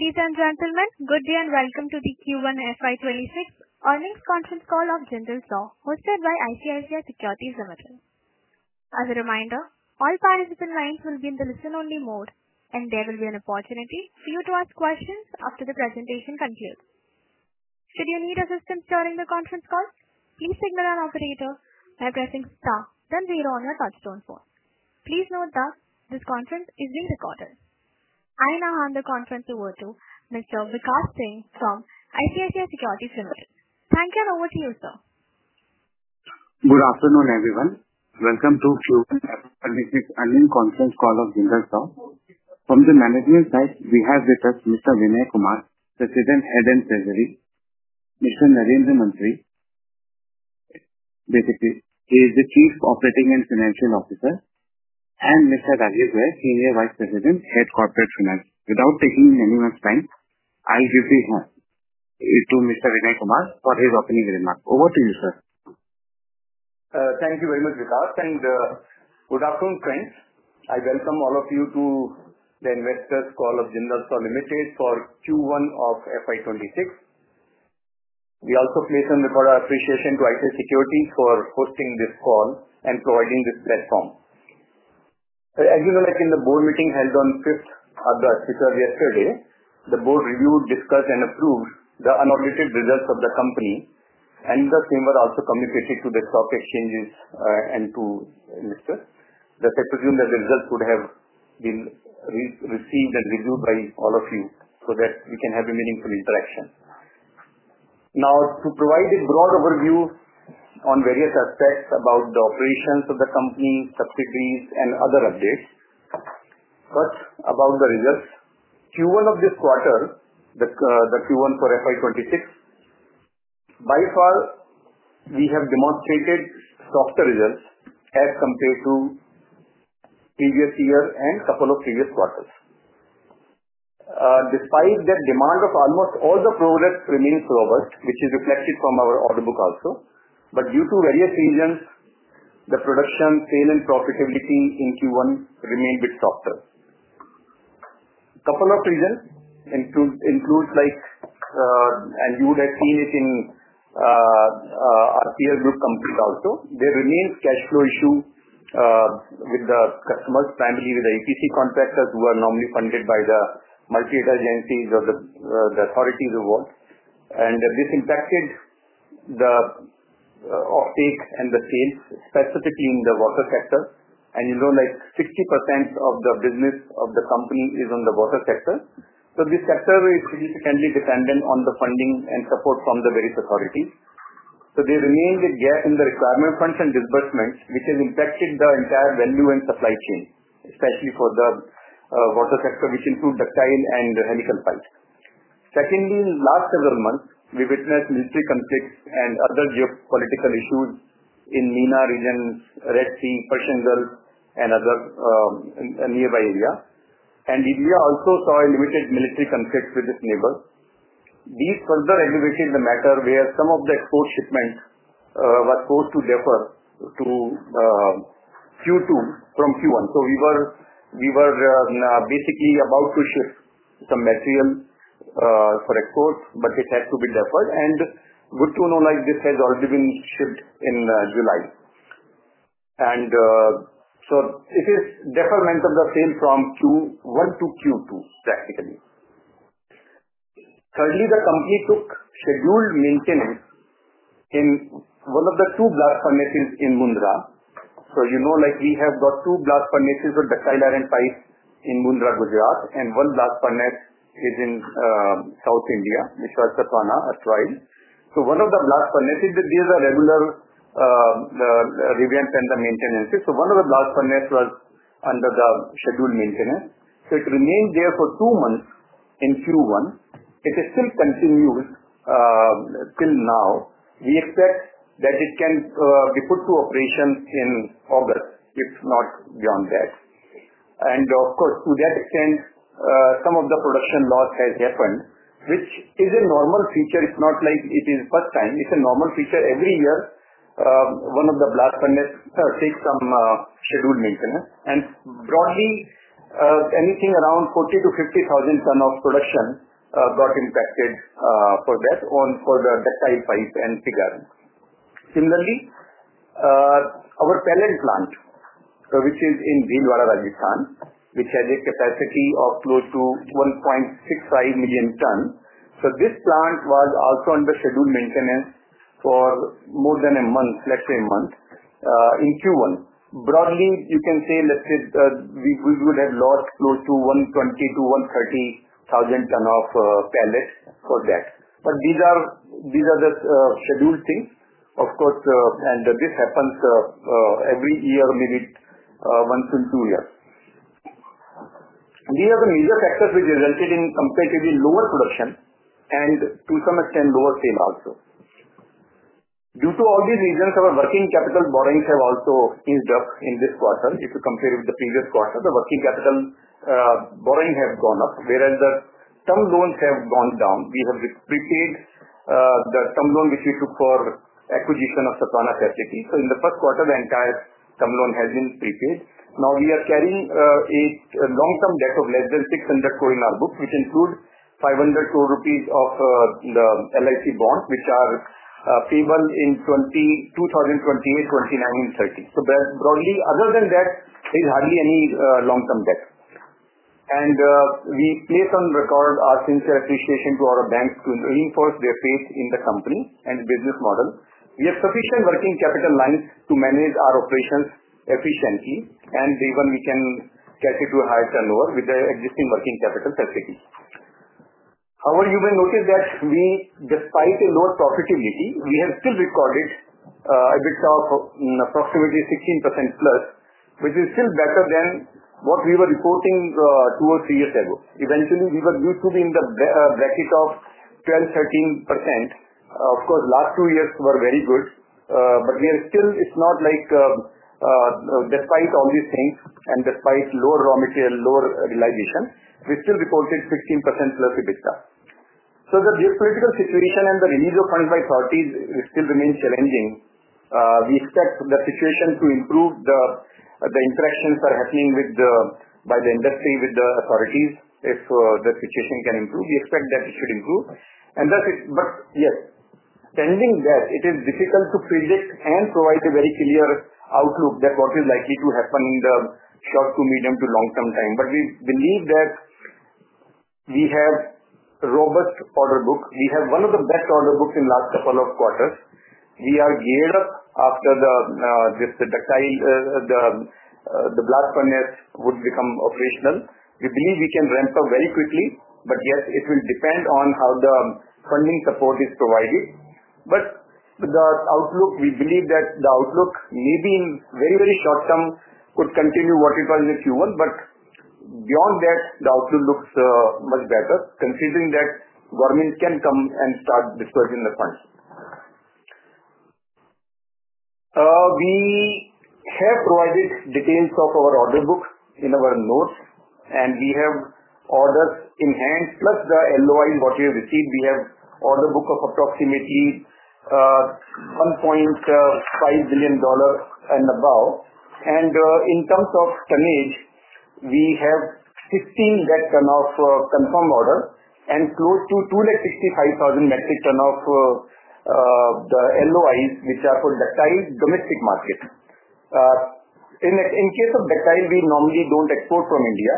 Ladies and gentlemen, good day and welcome to the Q1 FY 2026 earnings conference call of Jindal Saw, hosted by ICICI Securities Ltd. As a reminder, all participant lines will be in the listen-only mode, and there will be an opportunity for you to ask questions after the presentation concludes. Should you need assistance during the conference call, please signal our operator by pressing star then zero on your touchtone phone. Please note that this conference is being recorded. I now hand the conference over to Mr. Vikas Singh from ICICI Securities Ltd. Handing over to you, sir. Good afternoon, everyone. Welcome to Q2 FY26 earnings conference call of Jindal Saw. From the management side, we have with us Mr. Vinay Kumar, President, Head and Treasury; Mr. Narendra Mantri, Chief Operating and Financial Officer; and Mr. Rajeev Goyal, Senior Vice President, Head Corporate Finance. Without taking anyone's time, I'll give the floor to Mr. Vinay Kumar for his opening remark. Over to you, sir. Thank you very much, Vikas. Good afternoon, friends. I welcome all of you to the investors' call of Jindal Saw Ltd. for Q1 of FY 2026. We also place an appreciation to ICICI Securities for hosting this call and providing this platform. As you know, in the board meeting held on 5th of September yesterday, the board reviewed, discussed, and approved the unobjected results of the company, and the same were also communicated to the stock exchanges. Thus, I presume that the results would have been received and reviewed by all of you so that we can have a meaningful interaction. Now, to provide a broad overview on various aspects about the operations of the company, subsidiaries, and other updates, first about the results. Q1 of this quarter, the Q1 for FY 2026, by far, we have demonstrated softer results as compared to the previous year and a couple of previous quarters. Despite the demand of almost all the products remaining robust, which is reflected from our order book also, due to various reasons, the production chain and profitability in Q1 remained a bit softer. A couple of reasons include, and you would have seen it in our peer group companies also, there remains a cash flow issue with the customers, primarily the EPC contractors who are normally funded by the multi-regional agencies or the authorities of the world. This impacted the offtake and the sales, specifically in the water sector. You know, 60% of the business of the company is in the water sector. This sector is significantly dependent on the funding and support from the various authorities. There remains a gap in the requirement funds and disbursements, which has impacted the entire value and supply chain, especially for the water sector, which includes ductile and the helical pipes. In the last several months, we witnessed military conflicts and other geopolitical issues in the MENA regions, Red Sea, Persian Gulf, and other nearby areas. India also saw limited military conflicts with its neighbors. These further aggravated the matter where some of the export shipments were forced to defer to Q2 from Q1. We were basically about to ship some material for exports, but it had to be deferred. It is good to know this has already been shipped in July. This is the deferment of the sale from Q1 to Q2, practically. The company took scheduled maintenance in one of the two blast furnaces in Mundra. We have got two blast furnaces with ductile iron pipes in Mundra, Gujarat, and one blast furnace is in South India, which was Sathavahana erstwhile. One of the blast furnaces gives a regular revamp and the maintenance. One of the blast furnaces was under the scheduled maintenance. It remained there for two months in Q1. It has since continued till now. We expect that it can be put to operation in August, if not beyond that. Of course, to that extent, some of the production loss has happened, which is a normal feature. It's not like it is the first time. It's a normal feature. Every year, one of the blast furnaces takes some scheduled maintenance. Broadly, anything around 40,000 ton-50,000 ton of production got impacted for that, for the ductile iron pipes and pig iron. Similarly, our pellet plant, which is in Bhilwara, Rajasthan, which has a capacity of close to 1.65 million ton, was also under scheduled maintenance for more than a month, let's say a month, in Q1. Broadly, you can say, let's say we would have lost close to 120,000 ton-130,000 ton of pellets for that. These are the scheduled things, of course, and this happens every year, maybe once in two years. These are the major factors represented in comparatively lower production and, to some extent, lower sale also. Due to all these reasons, our working capital borrowings have also eased up in this quarter. If you compare it with the previous quarter, the working capital borrowings have gone up, whereas the stock loans have gone down. We have prepaid the stock loan, which we took for acquisition of Sathavahana facilities. In the first quarter, the entire stock loan has been prepaid. Now we are carrying a long-term debt of less than 600 crore in our book, which includes 500 crore rupees of the LIC bonds, which are payable in 2028, 2029, and 2030. Broadly, other than that, there is hardly any long-term debt. We place on record our sincere appreciation to our banks to reinforce their faith in the company and the business model. We have sufficient working capital lines to manage our operations efficiently, and even we can get it to a higher turnover with the existing working capital facilities. However, you may notice that despite a lower profitability, we have still recorded a bit of approximately 16%+, which is still better than what we were reporting two or three years ago. Eventually, we were due to be in the bracket of 12%-13%. Of course, the last two years were very good. We are still, it's not like despite all these things and despite lower raw material, lower utilization, we're still reporting 16%+ EBITDA. The geopolitical situation and the renewal of funds by authorities still remains challenging. We expect the situation to improve. The interactions are happening by the industry with the authorities. If the situation can improve, we expect that it should improve. Yes, it is challenging that it is difficult to predict and provide a very clear outlook that what is likely to happen in the short to medium to long-term time. We believe that we have a robust order book. We have one of the best order books in the last couple of quarters. We are geared up after the ductile, the blast furnace would become operational. We believe we can ramp up very quickly. It will depend on how the funding support is provided. The outlook, we believe that the outlook maybe in the very, very short term could continue what it was in Q1. Beyond that, the outlook looks much better considering that government can come and start disbursing the funds. We have provided details of our order book in our notes, and we have orders in hand, plus the LOI in what we have received. We have an order book of approximately $1.5 billion and above. In terms of tonnage, we have 16 lakh ton of confirmed orders and close to 265,000 metric ton of the LOIs, which are for ductile domestic market. In case of ductile, we normally don't export from India.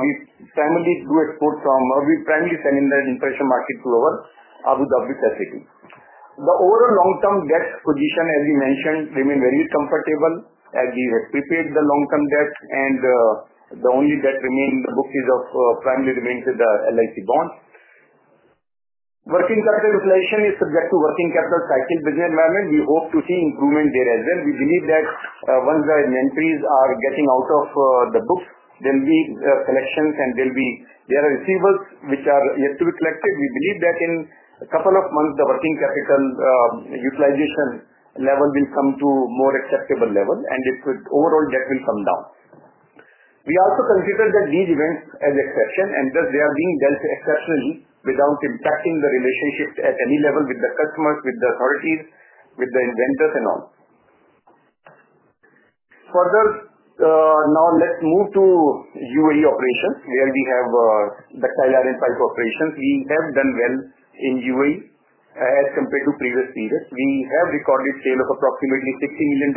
We primarily do export from, we primarily send in the international market to our Abu Dhabi facilities. The overall long-term debt position, as you mentioned, remains very comfortable as we have prepared the long-term debt. The only debt remaining in the book primarily remains with the LIC bonds. Working capital inflation is subject to working capital cycle measurement. We hope to see improvement there as well. We believe that once the inventories are getting out of the book, there will be collections and there are receivables which are yet to be collected. We believe that in a couple of months, the working capital utilization level will come to a more acceptable level and its overall debt will come down. We also consider that these events as exceptions, and thus, they are being dealt as exceptions without impacting the relationships at any level with the customers, with the authorities, with the inventors, and on. Further, now let's move to U.A.E operations, where we have ductile iron pipe operations. We have done well in U.A.E as compared to previous years. We have recorded a sale of approximately $60 million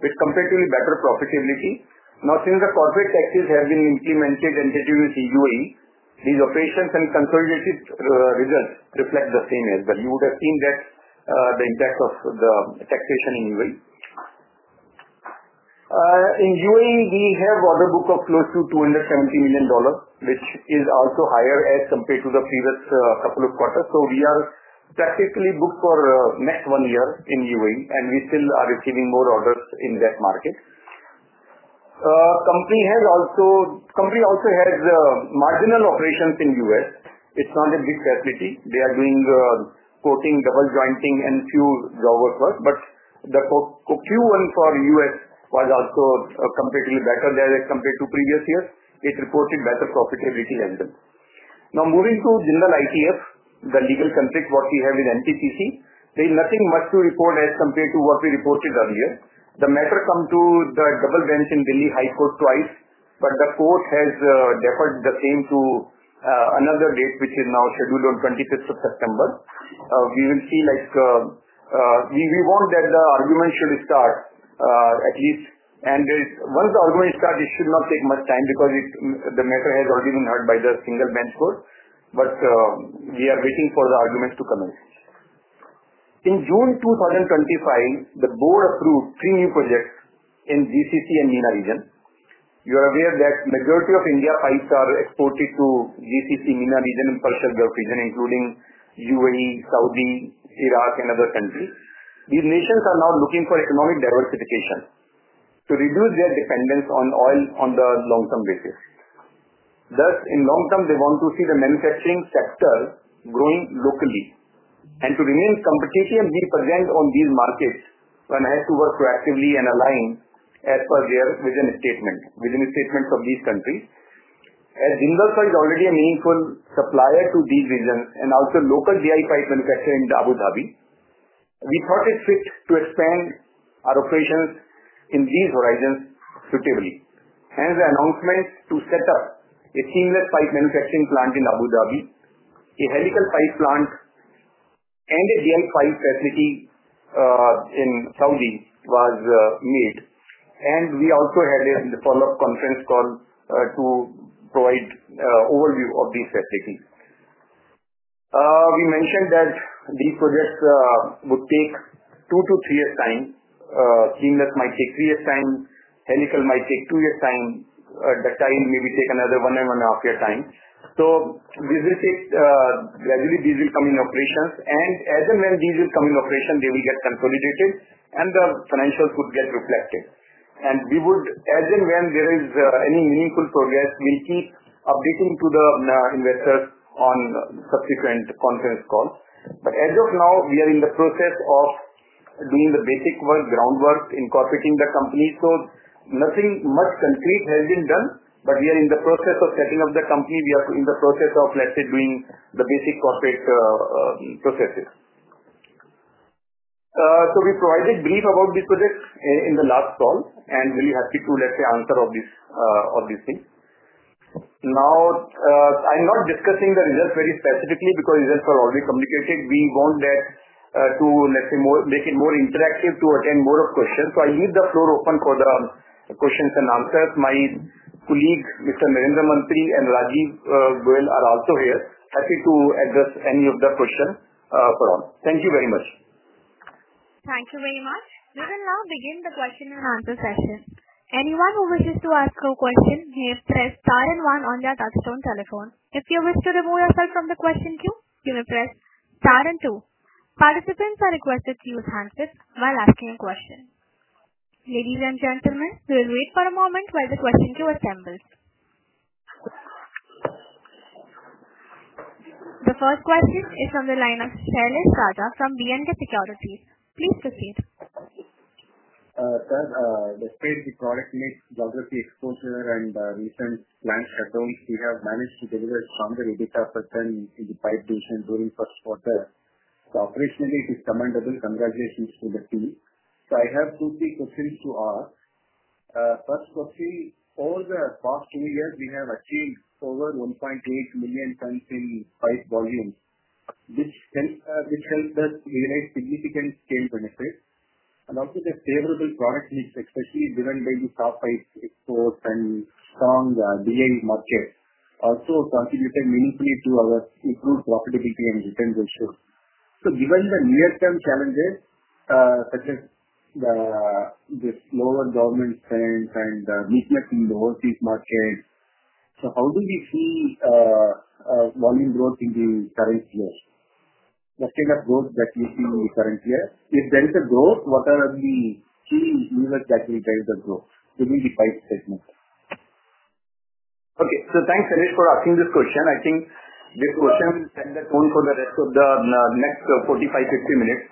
with comparatively better profitability. Now, since the corporate taxes have been implemented and introduced in U.A.E, these operations and consolidated results reflect the same as well. You would have seen that the impact of the taxation in U.A.E. In U.A.E, we have an order book of close to $270 million, which is also higher as compared to the previous couple of quarters. We are practically booked for the next one year in U.A.E, and we still are receiving more orders in that market. The company also has marginal operations in the U.S. It's not a big facility. They are doing the quoting, double jointing, and few drawer work. The Q1 for the U.S. was also comparatively better than compared to previous years. It reported better profitability than that. Now, moving to Jindal ITF, the legal conflict, what we had with NTPC, there is nothing much to report as compared to what we reported earlier. The matter came to the double bench in Delhi High Court twice, but the court has deferred the same to another date, which is now scheduled on 25th of September. We want that the argument should start at least. Once the argument starts, it should not take much time because the matter has already been heard by the single bench court. We are waiting for the arguments to come out. In June 2025, the board approved three new projects in GCC and MENA region. You are aware that the majority of India's ice is exported to GCC, MENA region, and Persian Gulf region, including U.A.E, Saudi, Iraq, and other countries. These nations are now looking for economic diversification to reduce their dependence on oil on the long-term basis. In the long term, they want to see the manufacturing sector growing locally. To remain competent and be present on these markets, one has to work proactively and align as per their vision statement. Vision statement from these countries. As Jindal Saw is already a meaningful supplier to these regions and also a local DI pipe Helical might take two years' time. Ductile maybe take another one and one and a half years' time. We will take gradually these will come in operations. As and when these will come in operation, they will get consolidated and the financials would get reflected. We would, as and when there is any meaningful progress, keep updating the investors on subsequent conference calls. As of now, we are in the process of doing the basic work, groundwork, incorporating the company. Nothing much concrete has been done, but we are in the process of setting up the company. We are in the process of, let's say, doing the basic corporate processes. We provided briefs about these projects in the last call, and we're happy to, let's say, answer all these things. Now, I'm not discussing the results very specifically because the results are already communicated. We want that to, let's say, make it more interactive to attend more of questions. I leave the floor open for the questions and answers. My colleagues, Mr. Narendra Mantri and Mr. Rajeev Goyal, are also here, happy to address any of the questions upon us. Thank you very much. Thank you very much. We will now begin the question and answer session. Anyone who wishes to ask a question may press star and one on your touchtone telephone. If you wish to remove yourself from the question queue, you may press star and two. Participants are requested to use handsets while asking a question. Ladies and gentlemen, we will wait for a moment while the question queue assembles. The first question is from the line of Sailesh Raja from B&K Securities. Please proceed. Thanks. The space, the product needs, geography, exposure, and recent plant shutdowns, we have managed to deliver a stronger EBITDA per ton in the pipe division during the first quarter. The operation is commendable. Congratulations to the team. I have two quick questions to ask. First question, over the past two years, we have achieved over 1.8 million tons in pipe volume, which helps us generate significant change benefits. Amongst the favorable product needs, especially given the soft pipe exports and strong DI market, also contributed meaningfully to our improved profitability and return ratio. Given the near-term challenges, such as the slower government trends and the weakness in the overseas markets, how do we see volume growth in the current year? What kind of growth do you see in the current year? If there is a growth, what are the key user categories that are going to grow within the pipe segment? Thanks, Sailesh for asking this question. I think this question will tend to tone for the rest of the next 45, 50 minutes.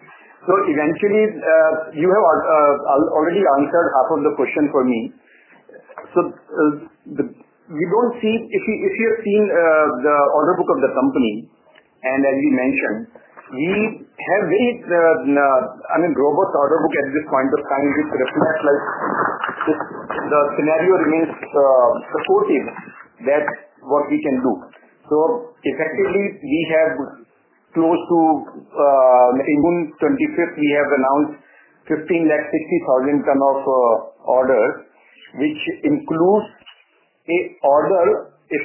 You have already answered half of the question for me. We don't see if you have seen the order book of the company. As we mentioned, we have made a robust order book at this point of time with the scenario remains supported that what we can do. Effectively, we have close to, let's say, June 25, we have announced 1,560,000 ton of orders, which includes a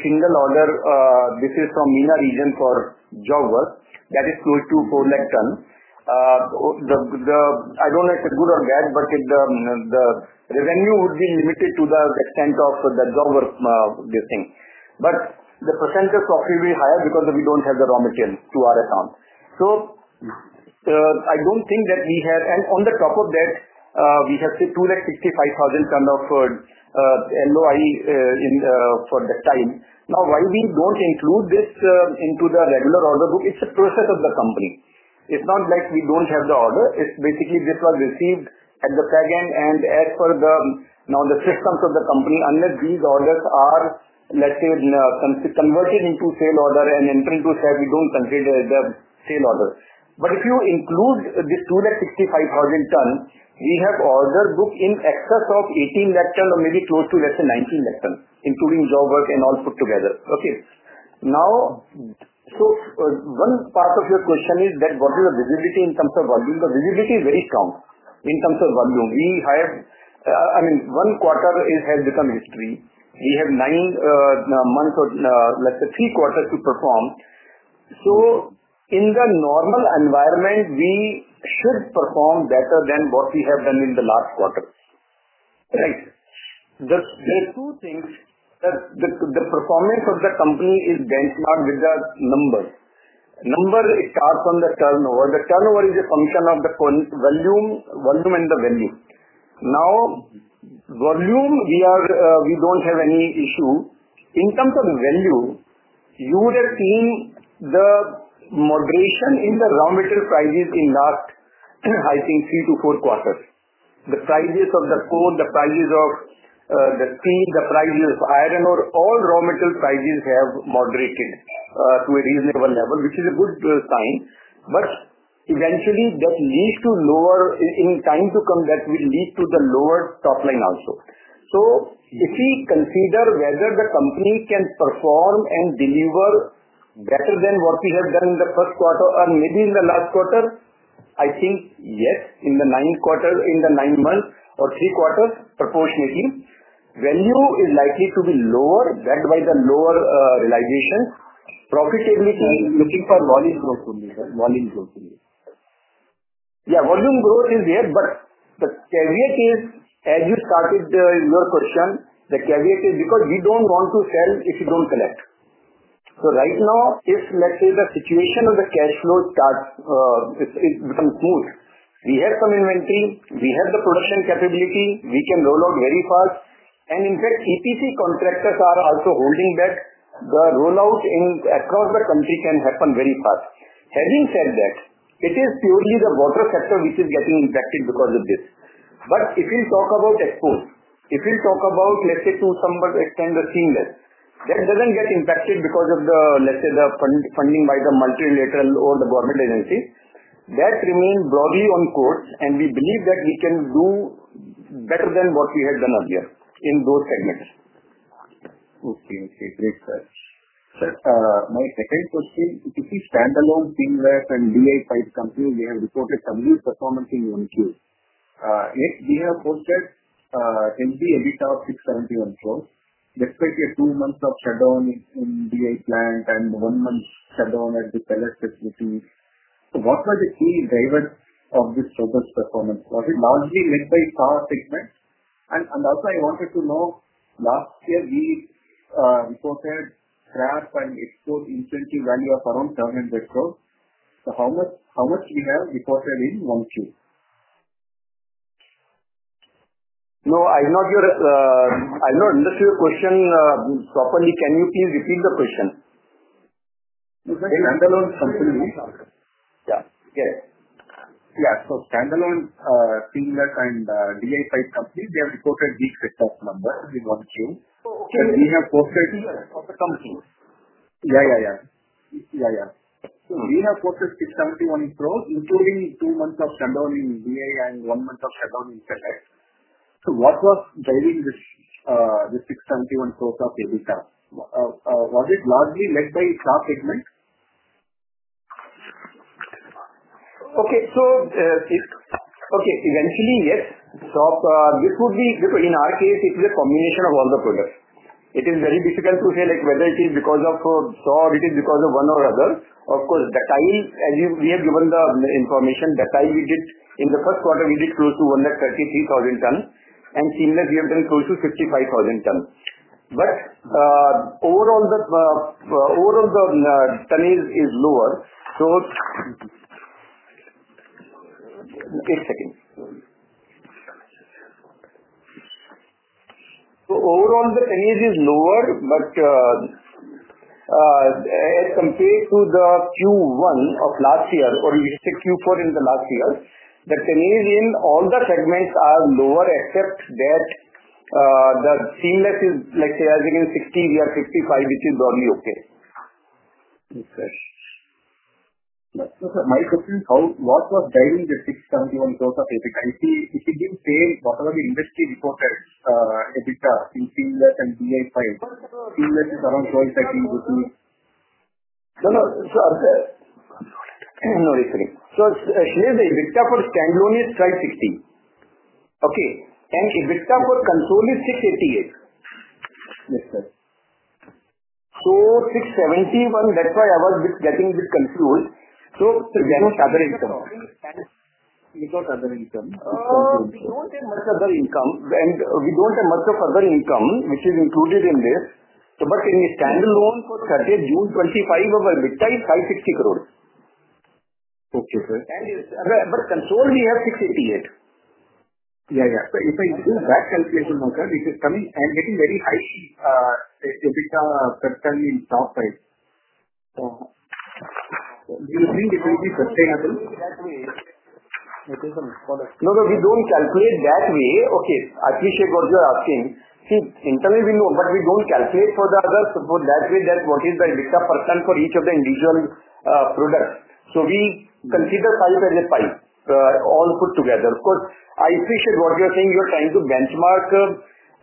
single order. This is from MENA region for job work that is close to 400,000 ton. I don't know if it's good or bad, but the revenue would be limited to the extent of the job work, this thing. The percentage is probably higher because we don't have the raw material to our account. I don't think that we have, and on the top of that, we have said 265,000 ton of LOI for ductile. Now, why we don't include this into the regular order book? It's a process of the company. It's not like we don't have the order. Basically, this was received at the fragment and as per the now the system for the company. Unless these orders are, let's say, converted into sale order and entered into sale, we don't consider the sale order. If you include this 265,000 ton, we have order book in excess of 1.8 million ton or maybe close to, let's say, 1.9 million ton, including job work and all put together. One part of your question is that what is the visibility in terms of volume? The visibility is very strong in terms of volume. We have, I mean, one quarter has become history. We have nine months or, let's say, three quarters to perform. In the normal environment, we should perform better than what we have done in the last quarter. Right? There are two things. The performance of the company is very strong with the numbers. Number starts on the turnover. The turnover is a function of the volume and the value. Now, volume, we don't have any issue. In terms of value, you will have seen the moderation in the raw material prices in the last, I think, three to four quarters. The prices of the coal, the prices of the steel, the prices of iron ore, all raw material prices have moderated to a reasonable level, which is a good sign. Eventually, that leads to lower in time to come, that will lead to the lower top line also. If we consider whether the company can perform and deliver better than what we have done in the first quarter and maybe in the last quarter, I think yes, in the nine months, or three quarters, proportionately, value is likely to be lower driven by the lower realization. Profitability is looking for volume growth. For volume growth only. Yeah, volume growth is there, but the caveat is, as you started your question, the caveat is because we don't want to sell if we don't collect. Right now, if let's say the situation of the cash flow starts, it's become poor. We have some inventory. We have the production capability. We can roll out very fast. In fact, EPC contractors are also holding back. The rollout across the country can happen very fast. Having said that, it is purely the water sector which is getting impacted because of this. If you talk about exports, if you talk about, let's say, to somewhat extent the Seamless, that doesn't get impacted because of the, let's say, the funding by the multilateral or the government agencies. That remains broadly on course, and we believe that we can do better than what we had done earlier in those segments. Okay. Okay. Great, sir. Sir, my second question, if you see standalone Seamless and DI pipe companies, we have reported a subdued performance in 1Q. Yes, we have posted an EBITDA of 671 crore. Despite two months of shutdown in DI plant and one month shutdown at the pellet facility, what were the key drivers of this robust performance? Was it largely led by power segment? And also, I wanted to know, last year, we reported scrap and export incentive value of around 700 crore. How much have we reported in one queue? I have not understood your question properly. Can you please repeat the question? Yes so standalone companies Yeah. Okay. Yeah. Standalone Seamless and DI pipe companies have reported these set top numbers in 1Q. We have posted of the companies. Yeah, yeah, yeah. We have reported 671 crore, including two months of shutdown in DI and one month of standalone in pellet. What was driving this 671 crore of EBITDA? Was it largely led by SAW segment? Okay. Eventually, yes. In our case, it is a combination of all the products. It is very difficult to say whether it is because of SAW or because of one or other. Of course, ductile, as we have given the information, ductile we did in the first quarter, we did close to 133,000 ton. And Seamless, we have done close to 55,000 ton. Overall, the tonnage is lower. As compared to Q1 of last year, or you just said Q4 in the last year, the tonnage in all the segments are lower except that the Seamless is, let's say, as against 16, we are 55, which is broadly okay. Okay. My question is, what was driving the 671 crore of EBITDA? If you give the same bottom line investors reported EBITDA in Seamless and DI pipe, Seamless is around INR 12, INR 13 crore. No, no, sir. No, sorry. No, it's okay. Here, the EBITDA for standalone is 560 crore. EBITDA for console is 688 crore. Yes, sir. So 671 crore, that's why I was getting a bit confused. Which was other income? It is not other income. We don't have much other income. We don't have much of other income, which is included in there. In the standalone for June 30, 2025, our EBITDA is INR 560 crore. Okay, sir. Consolidated, we have 688 crore Yeah, yeah. If I do back calculation now, sir, this is coming and getting very high EBITDA per ton in soft pipe. Do you agree this will be sustainable? That way, it is a product. No, no, we don't calculate that way. Okay. I appreciate what you're asking. See, internally, we know, but we don't calculate for the others. That way, what is the EBITDA per ton for each of the individual products? We consider pipe as a pipe, all put together. Of course, I appreciate what you're saying. You're trying to benchmark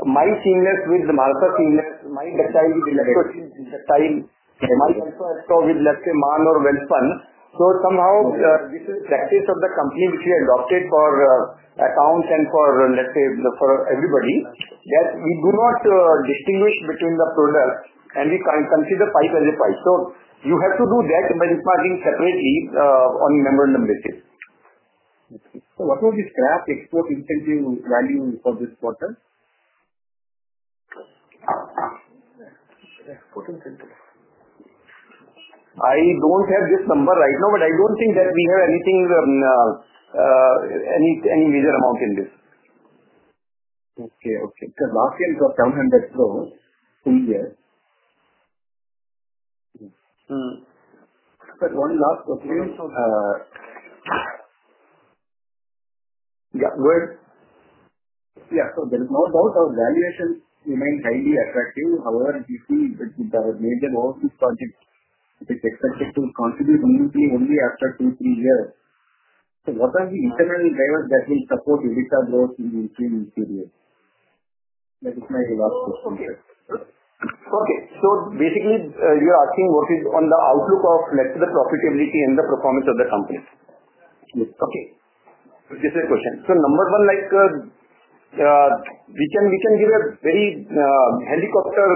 my Seamless with Maharashtra Seamless, my ductile with Electrosteel’s ductile also let's say Man or Welspun. This is the status of the company which we adopted for accounts and for everybody, that we do not distinguish between the products and we consider pipe as a pipe. You have to do that by departing separately on a memorandum basis. What was the scrap export incentive value of this quarter? I don't have this number right now, but I don't think that we have anything, any major amount in this. Okay. Last year it was INR 700 crore full year. One last question. There is no doubt our valuation remains highly attractive. However, we see the major overseas projects, is expected to contribute meaningfully only after two three years. What are the impact and drivers that will support EBITDA growth in the three months period? That is my last question. Okay. You're asking what is on the outlook of, less the profitability and the performance of the companies? Yes. Okay. This is a question. Number one, we can give a very helicopter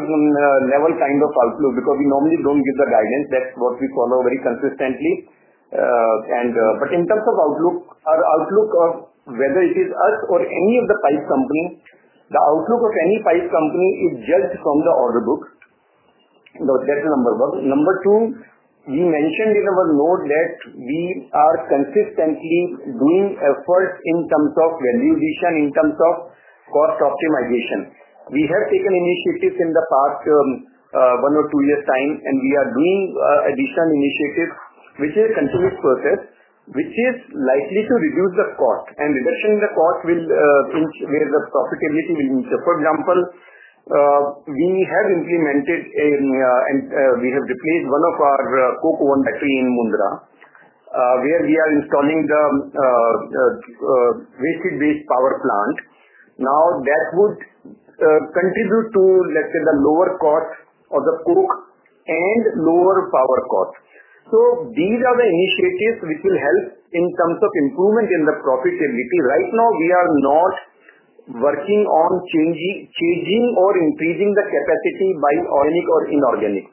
level kind of outlook because we normally don't give the guidance. That's what we follow very consistently. In terms of outlook, our outlook of whether it is us or any of the pipe companies, the outlook of any pipe company is judged from the order book. That's the number one. Number two, we mentioned in our note that we are consistently doing efforts in terms of valuation and in terms of cost optimization. We have taken initiatives in the past one or two years' time, and we are doing additional initiatives, which is a continuous process, which is likely to reduce the cost. At the same time, the cost will, where the profitability will increase. For example, we have implemented and we have replaced one of our coke oven battery in Mundra, where we are installing the wasted-basted power plant. That would contribute to, let's say, the lower cost of the coke and lower power cost. These are the initiatives which will help in terms of improvement in the profitability. Right now, we are not working on changing or increasing the capacity by organic or inorganic.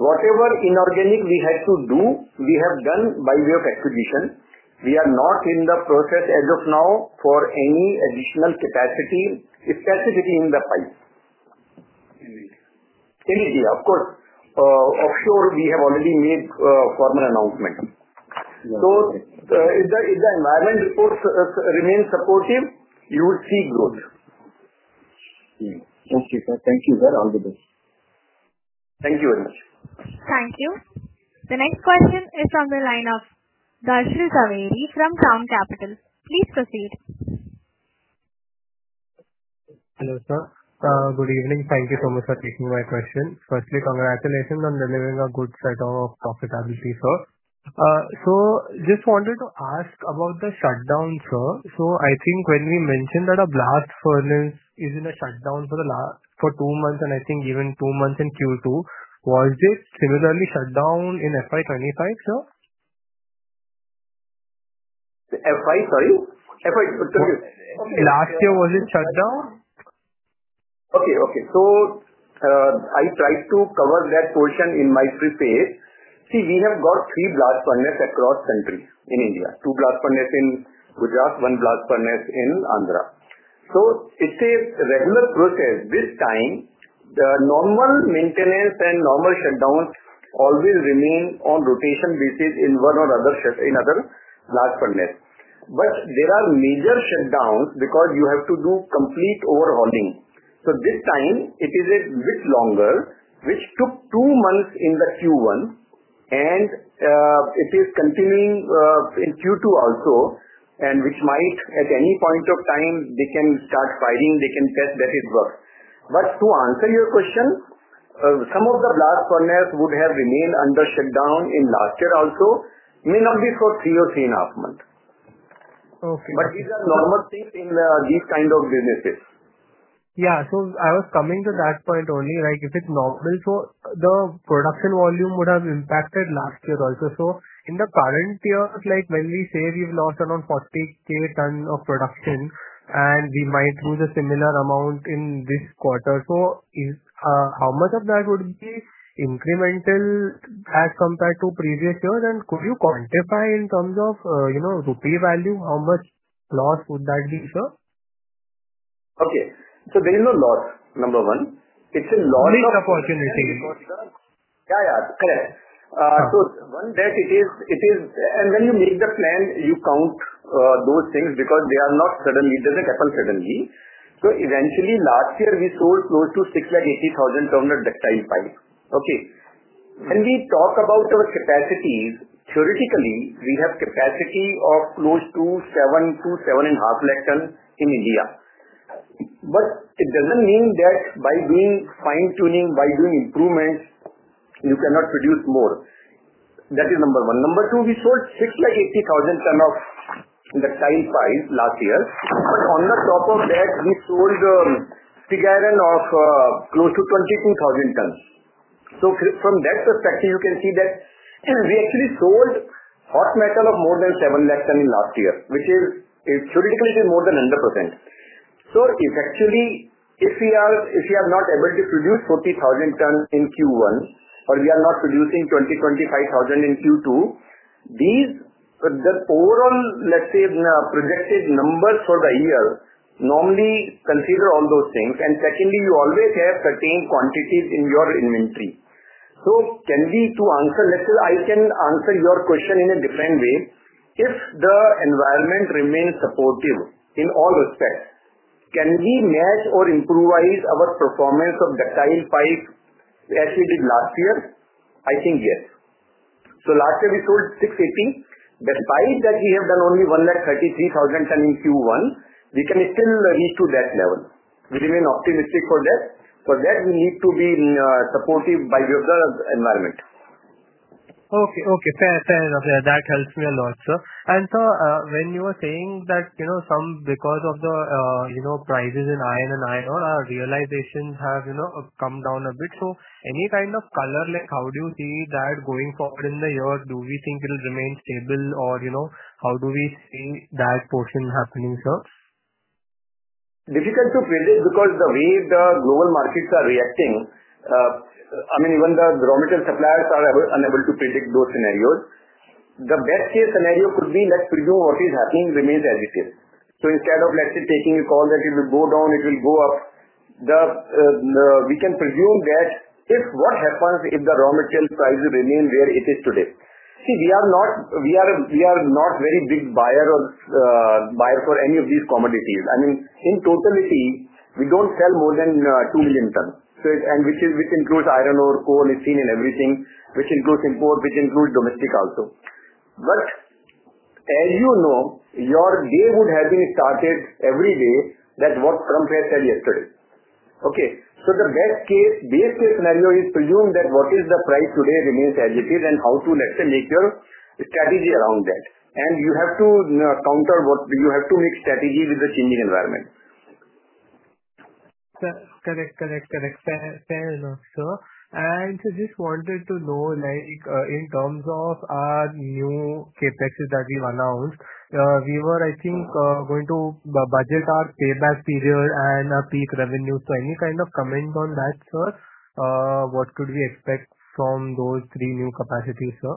Whatever inorganic we have to do, we have done by way of acquisition. We are not in the process as of now for any additional capacity, specifically in the pipe. In India? In India, of course, off shore, we have already made a formal announcement. If the environment reports remain supportive, you will see growth. Okay. Thank you, sir. Thank you, sir. All the best. Thank you very much. Thank you. The next question is from the line of Darshil Javeri from Crown Capital. Please proceed. Hello, sir. Good evening. Thank you so much for taking my question. Firstly, congratulations on delivering a good set of profitability, sir. I just wanted to ask about the shutdown, sir. I think when we mentioned that a blast furnace is in a shutdown for the last two months, and I think even two months in Q2, was this similarly shut down in FY2025, sir? FY, sorry? FY. Last year, was it shut down? Okay. Okay. I tried to cover that portion in my preface. See, we have got three blast furnace across countries in India. Two blast furnace in Gujarat, one blast furnace in Andhra. It is a regular process. This time, the normal maintenance and normal shutdowns always remain on a rotation basis in one or other set in other blast furnace. There are major shutdowns because you have to do complete overhauling. This time, it is a bit longer, which took two months in Q1, and it is continuing in Q2 also, and which might, at any point of time, they can start firing. They can test that it works. To answer your question, some of the blast furnace would have remained under shutdown in last year also, may not be for three or three and a half months. These are normal things in these kinds of businesses. I was coming to that point only, like if it's normal. The production volume would have impacted last year also. In the current year, when we say we've lost around 40,000 tons of production, and we might lose a similar amount in this quarter, how much of that would be incremental as compared to previous years? Could you quantify in terms of, you know, rupee value? How much loss would that be, sir? Okay. There is no loss, number one. It's a loss. It's not a fortunate thing though, sir. Yeah, yeah. It is, it is, and when you make the plan, you count those things because they are not sudden. It doesn't happen suddenly. Eventually, last year, we sold close to 680,000 ton of ductile iron pipes. When we talk about our capacities, theoretically, we have capacity of close to 7 lakh-7.5 lakh tons in India. It doesn't mean that by doing fine-tuning, by doing improvements, you cannot produce more. That is number one. Number two, we sold 680,000 ton of ductile iron pipes last year. On top of that, we sold the pig iron and of close to 22,000 ton. From that perspective, you can see that we actually sold hot metal of more than 7 lakh tons last year, which is theoretically, it is more than 100%. Effectively, if we are not able to produce 40,000 ton in Q1, or we are not producing 20,000, 25,000 in Q2, these are the overall projected numbers for the year. Normally, consider all those things. Secondly, you always have certain quantities in your inventory. To answer next to, I can answer your question in a different way. If the environment remains supportive in all respects, can we match or improvise our performance of ductile iron pipes as we did last year? I think yes. Last year, we sold 680,000. Despite that, we have done only 133,000 ton in Q1. We can still reach to that level. We remain optimistic for that. For that, we need to be supported by the environment. Okay. Fair enough. That helps me a lot, sir. Sir, when you were saying that, you know, some, because of the, you know, prices in iron and iron ore, our realization has, you know, come down a bit. Any kind of color, like how do you see that going forward in the year? Do we think it'll remain stable? You know, how do we see that portion happening, sir? Difficult to predict because the way the global markets are reacting, even the raw material suppliers are unable to predict those scenarios. The best-case scenario could be let's presume what is happening remains as it is. Instead of, let's say, taking a call that it will go down, it will go up, we can presume that if what happens if the raw material prices remain where it is today. We are not a very big buyer for any of these commodities. In totality, we don't sell more than 2 million ton, which includes iron ore, coal, and steam, and everything, which includes import, which includes domestic also. But as you know, your day would have been started every day that what Trump has said yesterday. Okay. The best-case scenario is presuming that what is the price today remains as it is and how to, let's say, make your strategy around that. You have to counter what you have to make strategy with the changing environment. Correct. Correct. Correct. Fair enough, sir. I just wanted to know, like in terms of our new CapEx that you've announced, we were, I think, going to budget our payback period and peak revenue. Any kind of comments on that, sir? What could we expect from those three new capacities, sir?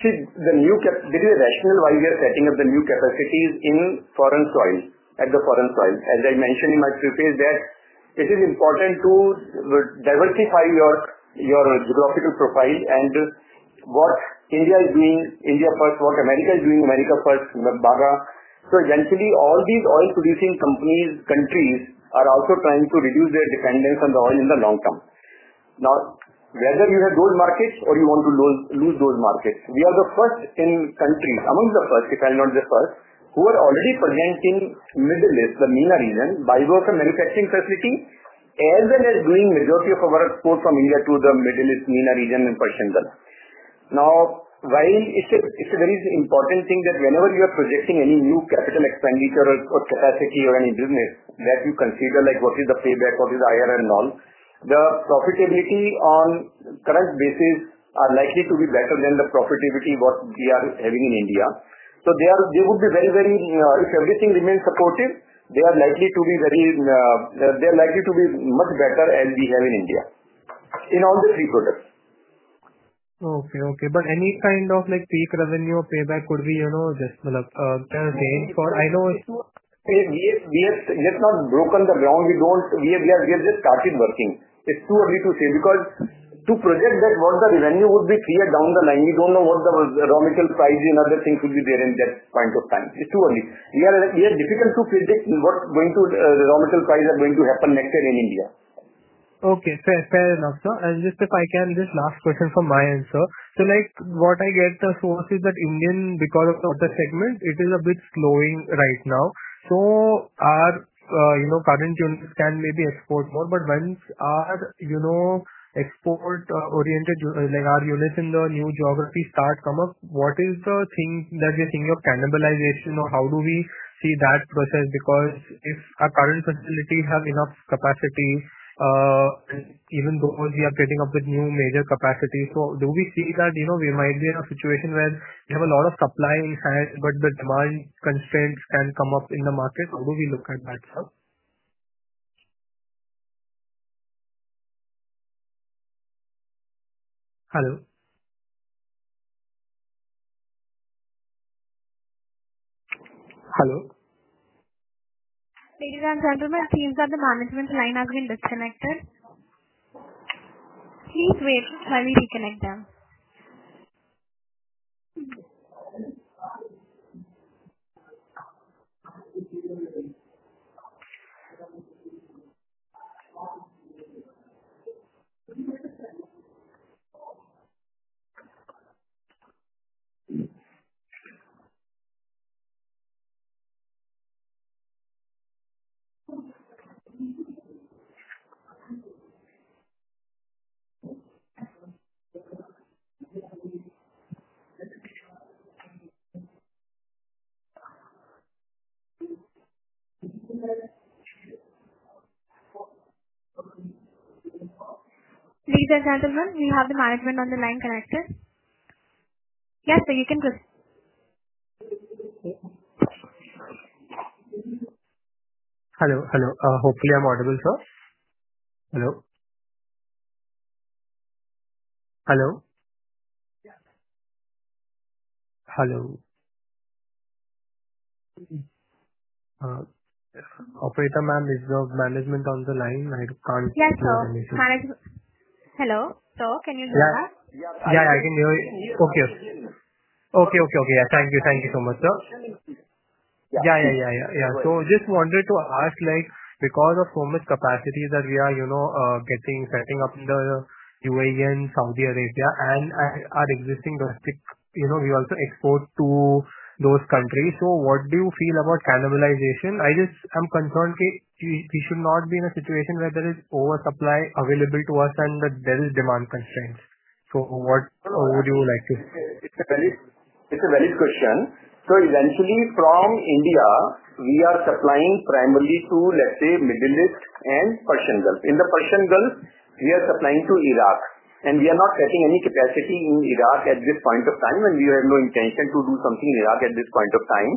See, the new, between rationale, why we are setting up the new capacities in foreign soil, at the foreign soil. As I mentioned in my preface, it is important to diversify your geographical profile and what India is doing, India first, what America is doing, America first, MAGA. Eventually, all these oil-producing countries are also trying to reduce their dependence on the oil in the long term. Now, whether you have gold markets or you want to lose those markets, we are the first in countries, among the first, if I'm not the first, who are already present in Middle East, the MENA region, by working manufacturing facilities, as well as doing the majority of our export from India to the Middle East, MENA region, and Persian Gulf. While it's a very important thing that whenever you are projecting any new capital expenditure or capacity or any business that you consider, like what is the payback, what is the IRR and all, the profitability on the current basis is likely to be better than the profitability what we are having in India. They are likely to be much better as we have in India in all the three products. Okay. Okay. Any kind of peak revenue or payback could be just a fair gains for I know. We have not broken the ground. We don't, we have just started working. It's too early to say because to project that what the revenue would be clear down the line, we don't know what the raw material pricing and other things would be there in that point of time. It's too early. We are difficult to predict what the raw material prices are going to happen next year in India. Okay. Fair enough, sir. Just last question from my end, sir. What I get, the source is that India, because of the segment, it is a bit slowing right now. Our current units can maybe export more. Once our export-oriented, like our units in the new geography start to come up, what is the thing that you think of cannibalization? How do we see that process? If our current facility has enough capacity, even because we are putting up with new major capacity, do we see that we might be in a situation where we have a lot of supply, but the demand constraints can come up in the market? How do we look at that? Hello? Hello? Ladies and gentlemen, teams at the management line are being disconnected. Please wait while we reconnect them. Ladies and gentlemen, we have the management on the line connected. Yes, sir, you can go. Hello. Hopefully, I'm audible, sir. Hello. Operator, is the management on the line? I can't hear you. Yes, sir. Hello. Sir, can you hear us? Thank you so much, sir. I just wanted to ask, because of so much capacity that we are getting, setting up in the U.A.E and Saudi Arabia and our existing domestic, we also export to those countries. What do you feel about cannibalization? I am concerned that we should not be in a situation where there is oversupply available to us and that there is demand constraints. What would you like to say? It's a very good question. Eventually, from India, we are supplying primarily to, let's say, the Middle East and Persian Gulf. In the Persian Gulf, we are supplying to Iraq. We are not setting any capacity in Iraq at this point of time, and we have no intention to do something in Iraq at this point of time.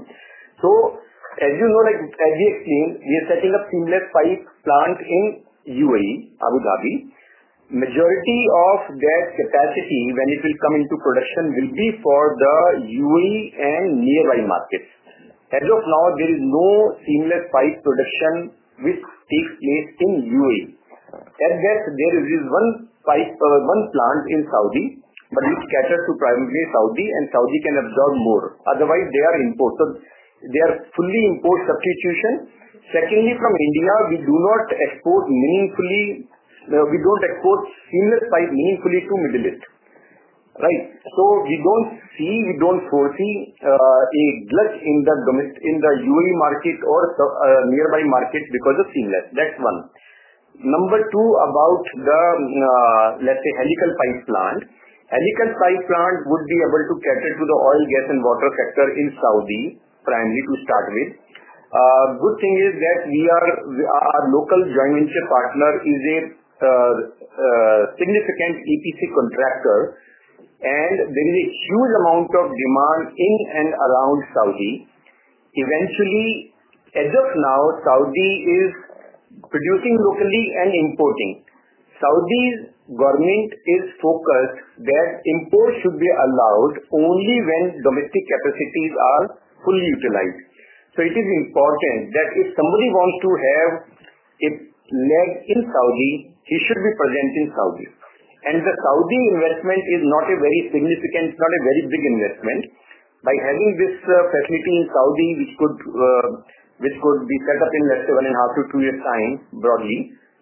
As you know, as we have seen, we are setting up a Seamless pipe plant in U.A.E, Abu Dhabi. The majority of that capacity, when it will come into production, will be for the U.A.E and nearby markets. As of now, there is no Seamless pipe production which takes place in U.A.E. Yes, there is one plant in Saudi, but it caters primarily to Saudi, and Saudi can absorb more. Otherwise, they are imported. They are fully import substitution. Secondly, from India, we do not export meaningfully. We don't export Seamless pipe meaningfully to the Middle East. We don't foresee much in the U.A.E market or nearby markets because of Seamless. That's one. Number two, about the helical pipe plant, the helical pipe plant would be able to cater to the oil, gas, and water sector in Saudi, primarily to start with. A good thing is that our local joint venture partner is a significant EPC contractor, and there is a huge amount of demand in and around Saudi. Saudi is producing locally and importing. Saudi's government is focused that imports should be allowed only when domestic capacities are fully utilized. It is important that if somebody wants to have a lab in Saudi, he should be present in Saudi. The Saudi investment is not a very significant, not a very big investment. By having this facility in Saudi, which could be set up in, let's say, 1.5 year-2 year time broadly,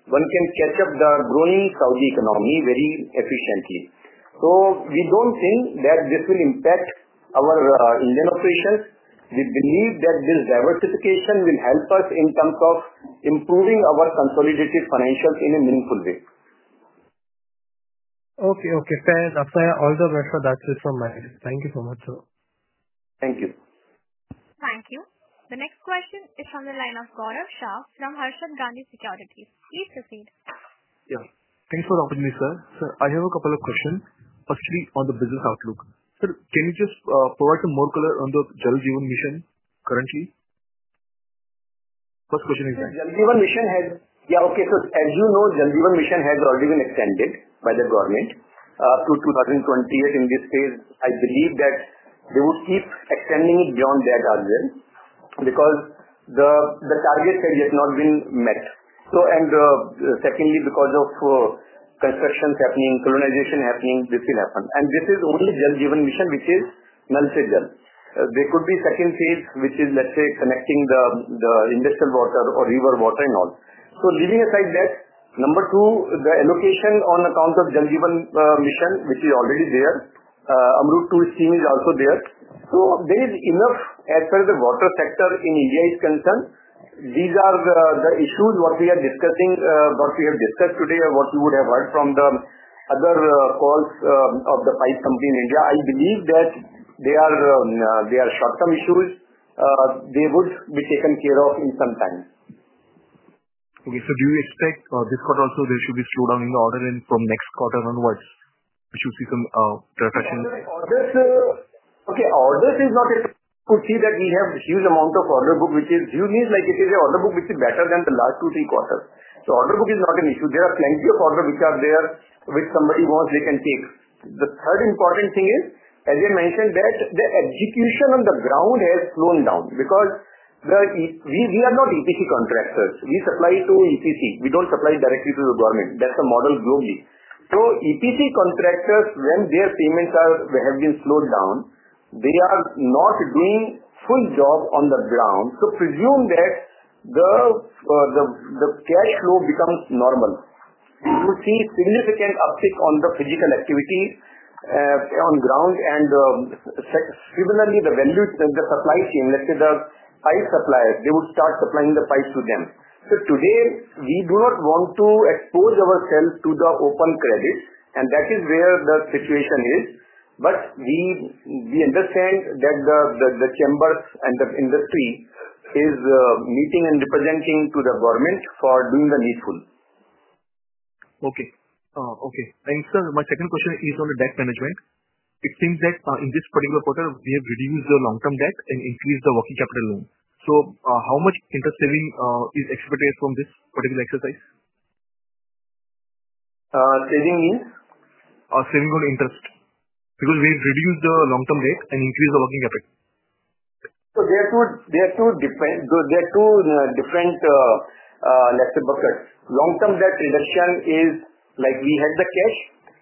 one can catch up with the growing Saudi economy very efficiently. We don't think that this will impact our Indian operations. We believe that this diversification will help us in terms of improving our consolidated financials in a meaningful way. Okay. Okay. Fair enough. Sir, all the best for that. That is from my end. Thank you so much, sir. Thank you. Thank you. The next question is from the line of Gaurav Shah from Harshad Gandhi Securities. Please proceed. Yeah. Thanks for the opportunity, sir. Sir, I have a couple of questions. Firstly, on the business outlook, sir, can you just provide some more color on the Jal Jeevan Mission currently? First question is that. Jal Jeevan Mission has, yeah, okay. As you know, Jal Jeevan Mission has already been extended by the government up to 2028 in this phase. I believe that they would keep extending it beyond that, because the targets have yet not been met. Secondly, because of constructions happening, colonization happening, this will happen. This is only Jal Jeevan Mission, which is Nal Se Jal. There could be a second phase, which is, let's say, connecting the industrial water or river water and all. Leaving aside that, number two, the allocation on account of Jal Jeevan Mission, which is already there, AMRUT 2.0 scheme is also there. There is enough as far as the water sector in India is concerned. These are the issues we are discussing, what we have discussed today, what you would have heard from the other calls of the pipe company in India. I believe that they are short-term issues. They would be taken care of in some time. Okay. Do you expect this quarter also there should be a slowdown in the order, and from next quarter onwards, which would be some tractions? Okay. Orders is not a, could see that we have a huge amount of order book, which is, you need, like it is an order book which is better than the last two, three quarters. Order book is not an issue. There are plenty of orders which are there, which somebody wants, they can take. The third important thing is, as I mentioned, that the execution on the ground has slowed down because we are not EPC contractors. We supply to EPC. We don't supply directly to the government. That's a model globally. EPC contractors, when their statements have been slowed down, they are not doing a full job on the ground. Presume that the cash flow becomes normal. You will see a significant uptick on the physical activity on ground. Similarly, the value of the supply chain, let's say the pipe supplier, they would start supplying the pipes to them. Today, we do not want to expose ourselves to the open credit. That is where the situation is. We understand that the chambers and the industry is meeting and representing to the government for doing the needful. Okay. My second question is on the debt management. It seems that in this particular quarter, we have reduced the long-term debt and increased the working capital loan. How much interest saving is expected from this particular exercise? Saving means? Saving on interest because we have reduced the long-term debt and increased the working capital. There are two different, let's say, buckets. Long-term debt investment is like we had the cash,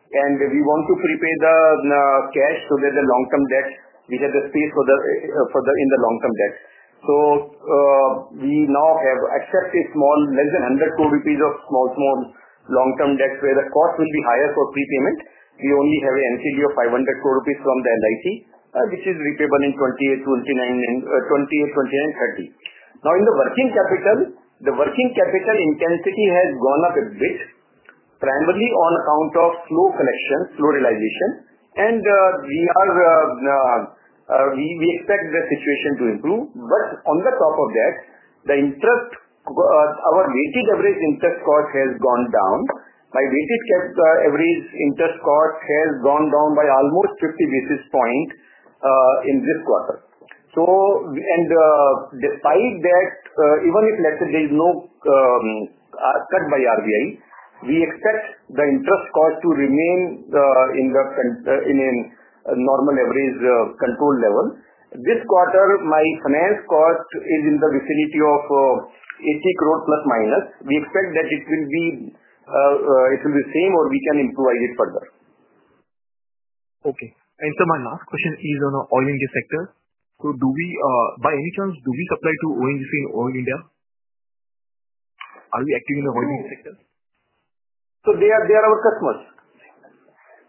and we want to prepay the cash so that the long-term debt, we have the space for the in the long-term debt. We now have accessed a small, less than 100 crore rupees of small, small long-term debts where the cost would be higher for prepayment. We only have an NCD of 500 crore rupees from LIC, which is repayable in 2028, 2029, 2030. In the working capital, the working capital intensity has gone up a bit, primarily on account of slow selections, slow realization. We expect the situation to improve. On the top of that, the interest, our weekly average interest cost has gone down. My weekly check average interest cost has gone down by almost 50 basis points in this quarter. Despite that, even if there is no cut by RBI, we expect the interest cost to remain in the normal average control level. This quarter, my finance cost is in the vicinity of ±80 crore. We expect that it will be the same, or we can improvise it further. Okay. Sir, my last question is on the oil and gas sector. Do we, by any chance, supply to ONGC in Oil India? Are we active in the oil and gas sector? They are our customers.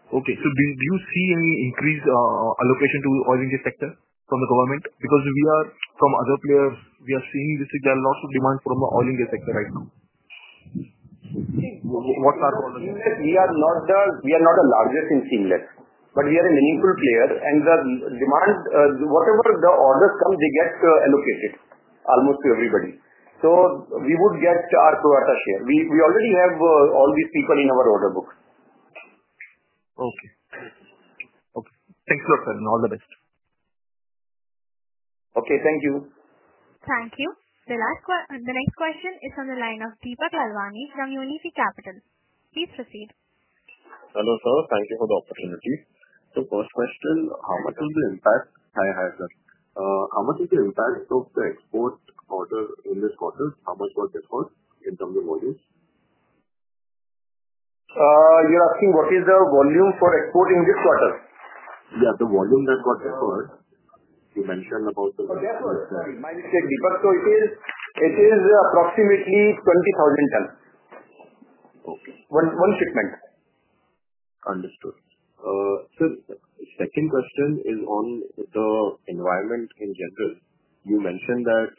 Okay. Do you see any increased allocation to the oil and gas sector from the government? Because we are, from other players, we are seeing there is a lot of demand from the oil and gas sector right now. We are not the largest in Seamless, but we are a meaningful player. The demand, whatever the orders come, they get allocated almost to everybody. We would get our priority share. We already have all these people in our order book. Okay. Okay. Thank you, sir, and all the best. Okay. Thank you. Thank you. The next question is on the line of Deepak Lalwani from Unifi Capital. Please proceed. Hello, sir. Thank you for the opportunity. First question, how much is the impact of the export order in this quarter? How much was export in terms of volume? You're asking what is the volume for export in this quarter? Yeah, the volume that got deferred. You mentioned about the volume. Deferred, sorry, my mistake, Deepak. It is approximately 20,000 tons. Okay. One shipment. Understood. Sir, the second question is on the environment in general. You mentioned that,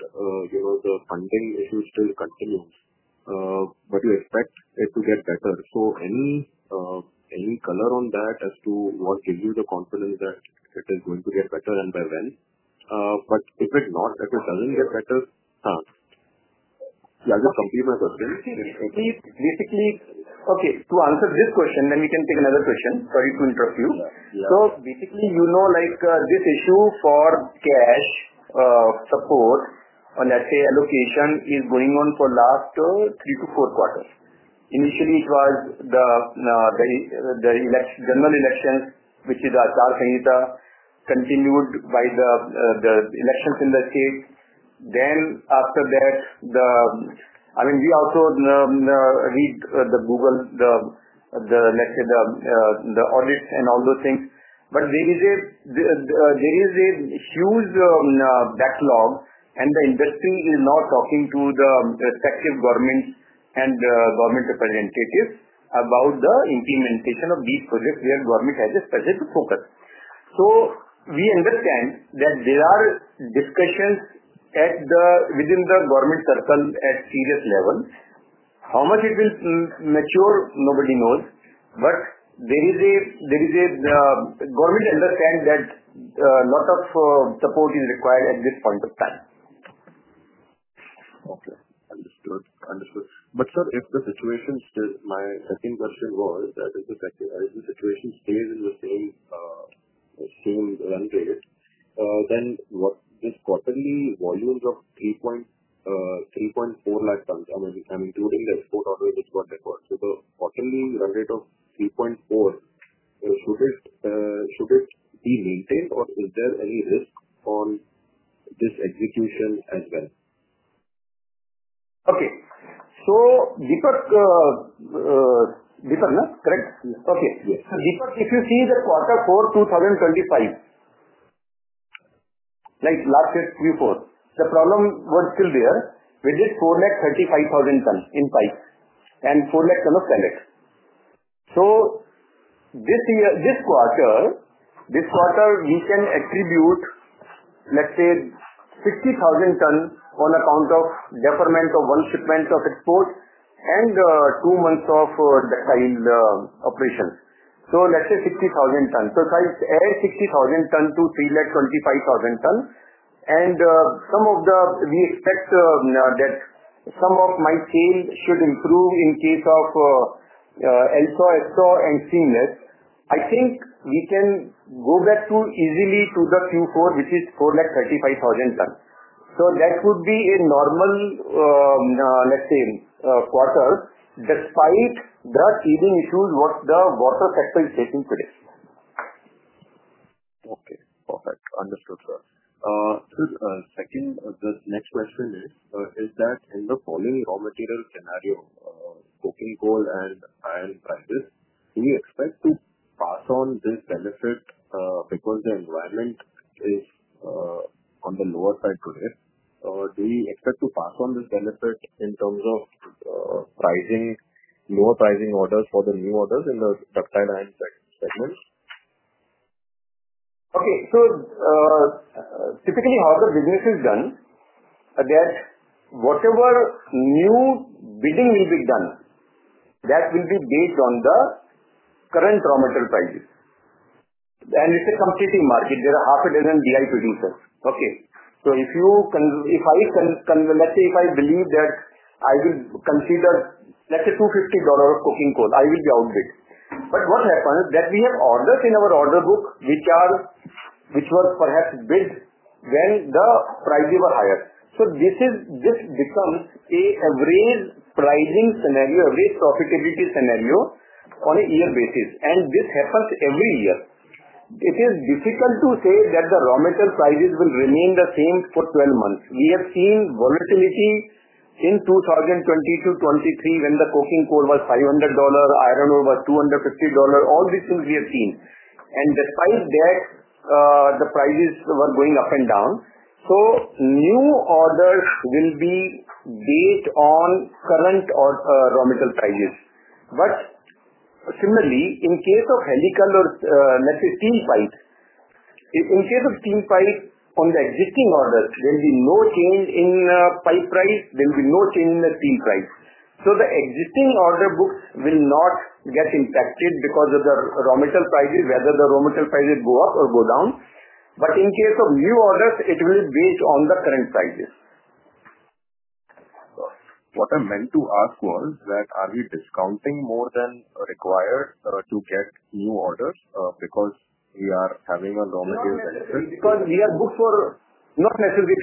you know, the funding issue still continues, but you expect it to get better. Any color on that as to what gives you the confidence that it is going to get better and by when? If it's not, that it doesn't get better, yeah, just complete my question. Okay. To answer this question, then we can take another question. Sorry to interrupt you. Basically, you know, like this issue for cash support, or let's say allocation, is going on for the last three to four quarters. Initially, it was the general elections, which is the code and conduct, continued by the elections in the states. After that, I mean, we also reached the Google, the audits and all those things. There is a huge backlog, and the industry is now talking to the respective government and government representatives about the implementation of these projects where government has a specific focus. We understand that there are discussions within the government circle at serious levels. How much it will mature, nobody knows. There is a government understands that a lot of support is required at this point of time. Okay. Understood. If the situation stays in the same run rate, then what is quarterly volumes of 3.4 lakh tons, I mean, coming to the export order is what it was. The quarterly run rate of 3.4, should it be maintained, or is there any risk on this execution as well? Okay. Deepak, if you see the quarter four 2025, like last year, Q4, the problem was still there. We did 435,000 ton in pipe and 400,000 ton of pellets. This quarter, we can attribute, let's say, 50,000 ton on account of deferment of one shipment of export and two months of the operations. Let's say 60,000 ton. If I add 60,000 ton to 325,000 ton, and we expect that some of my team should improve in case of LSAW, HSAW, and Seamless, I think we can go back easily to the Q4, which is 435,000 ton. That would be a normal quarter, despite the changing issues the water sector is facing today. Okay. Perfect. Understood, sir. Sir, the next question is, in the following raw material scenario, coking coal and iron prices, do you expect to pass on this benefit because the environment is on the lower side today? Do you expect to pass on this benefit in terms of pricing, lower pricing orders for the new orders in the ductile iron segments? Okay. Typically, how the business is done, whatever new building will be done, that will be based on the current raw material prices. It's a competing market. There are half a dozen BI putting. If I believe that I will consider, let's say, $250 coking coal, I will be out of it. What happens is that we have orders in our order book, which were perhaps built when the prices were higher. This becomes an average pricing scenario, average profitability scenario on a year basis. This happens every year. It is difficult to say that the raw material prices will remain the same for 12 months. We have seen volatility in 2022, 2023 when the coking coal was $500, iron ore was $250. All these things we have seen. Despite that, the prices were going up and down. New orders will be based on current raw material prices. Similarly, in case of helical or, let's say, steam pipe, in case of steam pipe on the existing orders, there will be no change in pipe price. There will be no change in the steam price. The existing order book will not get impacted because of the raw material prices, whether the raw material prices go up or go down. In case of new orders, it will be based on the current prices. What I meant to ask was that are we discounting more than required to get new orders because we are having a raw material benefit? We are booked for not necessarily.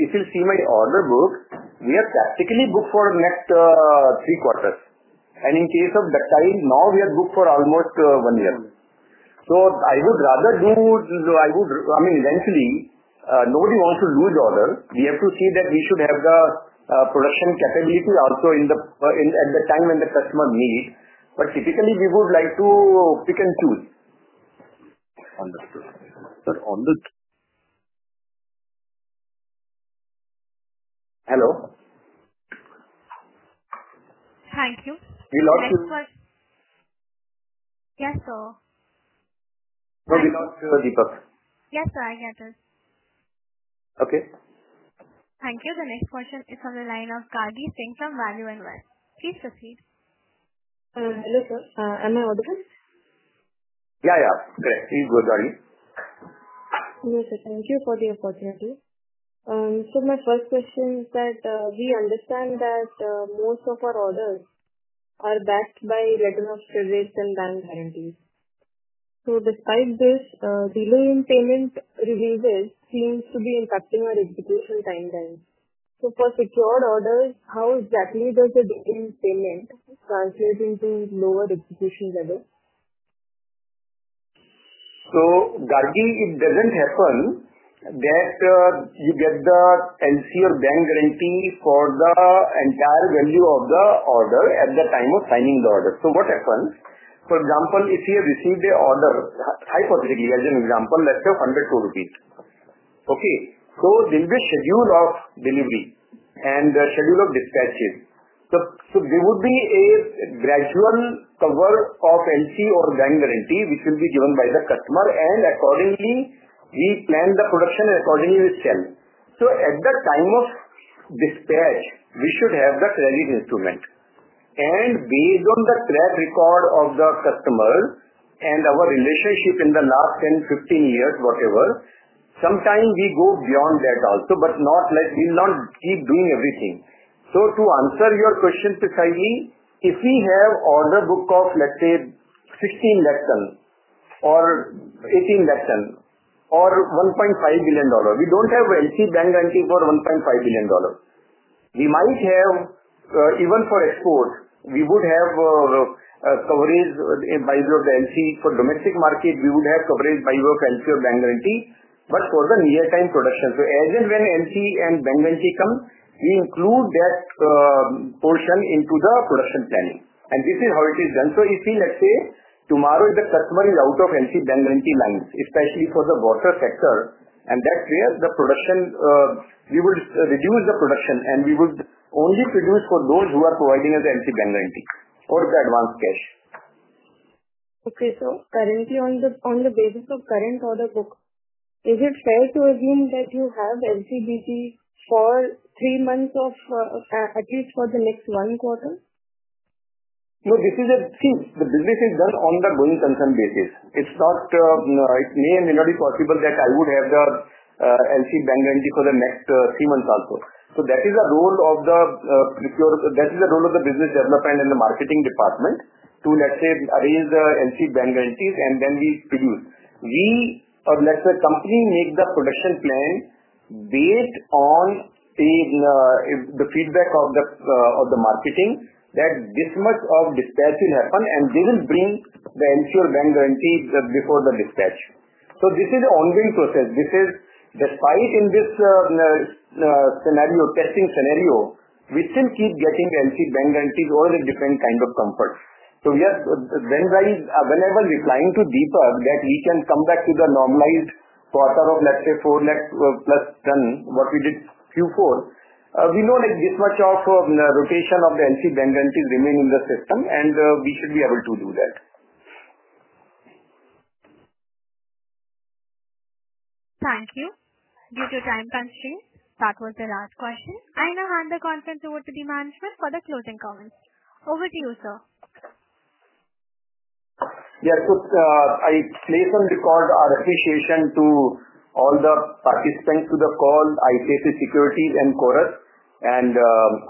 If you see my order book, we are practically booked for the next three quarters. In case of ductile, now we are booked for almost one year. I would rather do, I mean, eventually, nobody wants to lose order. We have to see that we should have the production capability also in the time when the customer needs. Typically, we would like to pick and choose. Understood. Sir, on the. Hello? Thank you. Deepak? Yes, sir. We lost Deepak. Yes, sir. I get it. Okay. Thank you. The next question is from the line of Gargi Singh from Value Invest. Please proceed. Hello, sir. Am I on the first? Yeah, yeah. Please go, Gargi. Thank you for the opportunity. My first question is that we understand that most of our orders are backed by regular service and then guarantees. Despite this, delay in payment revisits seems to be impacting our execution timeline. For secured orders, how exactly does a delay in payment translate into lower execution level? It doesn't happen that you get the LC or bank guarantee for the entire value of the order at the time of signing the order. For example, if we have received an order, hypothetically, as an example, let's say INR 100 crore. There is a schedule of delivery and the schedule of dispatches. There would be a gradual cover of LC or bank guarantee, which will be given by the customer. Accordingly, we plan the production with sell. At the time of dispatch, we should have the credit instrument. Based on the track record of the customer and our relationship in the last 10, 15 years, sometimes we go beyond that also, but not like we will not keep doing everything. To answer your question precisely, if we have an order book of, let's say, 1.6 million ton or 1.8 million ton or $1.5 billion, we don't have LC bank guarantee for $1.5 billion. Even for export, we would have a coverage by the LC. For domestic market, we would have coverage by work LC or bank guarantee, but for the near-time production. As and when LC and bank guarantee come, we include that portion into the production planning. This is how it is done. If tomorrow the customer is out of LC bank guarantee lines, especially for the water sector, that's where the production, we would reduce the production, and we would only produce for those who are providing us LC bank guarantee or the advanced cash. Okay. Currently, on the basis of current order book, is it fair to assume that you have LC, BGfor three months at least for the next one quarter? No, this is, see. The business is done on the going concern basis. It's not, it may or may notbe possible that I would have the LC bank guarantee for the next three months also. That is the role of the business development and the marketing department to, let's say, arrange the LC bank guarantees, and then we produce. We, or let's say, the company makes the production plan based on the feedback of the marketing that this much of dispatch will happen, and they will bring the LC or bank guarantees before the dispatch. This is an ongoing process. Despite in this testing scenario, we still keep getting the LC bank guarantees or the different kind of comforts. We are then going, whenever we're flying to detail, that we can come back to the normalized quarter of, let's say, 4 lakh_ ton, what we did Q4. We know like this much of rotation of the LC bank guarantees remain in the system, and we should be able to do that. Thank you. Due to your time constraint, that was the last question. I now hand the content over to the management for the closing comments. Over to you, sir. I place on the call our appreciation to all the participants to the call, ICICI Securities and Chorus, and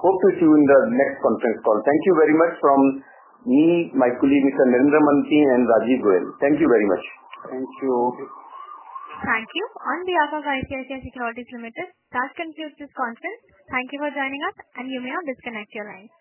hope to see you in the next conference call. Thank you very much from me, my colleague, Narendra Mantri and Rajeev Goyal. Thank you very much. Thank you. Thank you. On behalf of ICICI Securities Ltd, that concludes this conference. Thank you for joining us, and you may now disconnect your line.